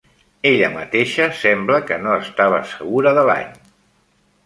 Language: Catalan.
Ella mateixa sembla que no estava segura de l'any.